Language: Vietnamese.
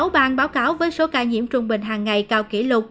một mươi sáu bàn báo cáo với số ca nhiễm trung bình hàng ngày cao kỷ lục